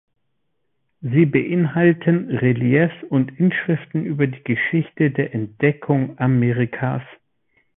Sie beinhalten Reliefs und Inschriften über die Geschichte der Entdeckung Amerikas.